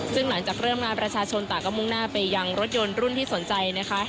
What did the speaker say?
ซึ่งหลังจากเริ่มงานประชาชนต่างก็มุ่งหน้าไปยังรถยนต์รุ่นที่สนใจนะคะ